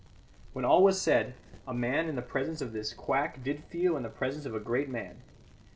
When all was said, a man in the presence of this quack did feel in the presence of a great man.